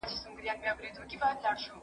زه اجازه لرم چي سبزیجات جمع کړم